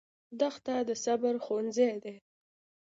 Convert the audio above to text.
دښته د صبر ښوونځی دی.